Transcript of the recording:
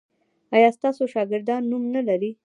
ایا ستاسو شاګردان نوم نلري؟